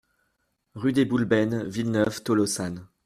RUE DES BOULBENES, Villeneuve-Tolosane